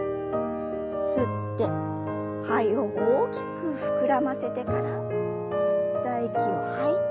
吸って肺を大きく膨らませてから吸った息を吐いて。